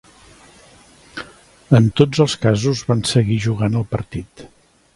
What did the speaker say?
En tots els casos van seguir jugant el partit.